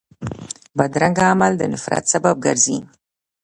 بدرنګه عمل د نفرت سبب ګرځي